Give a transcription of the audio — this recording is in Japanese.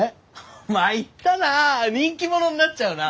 まいったな人気者になっちゃうな。